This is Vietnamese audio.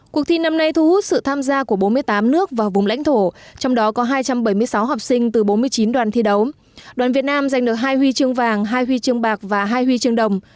cuộc thi năm nay thu hút sự tham gia của bốn mươi tám nước và vùng lãnh thổ trong đó có hai trăm bảy mươi sáu học sinh từ bốn mươi chín đoàn thi đấu đoàn việt nam giành được hai huy chương vàng hai huy chương bạc và hai huy chương đồng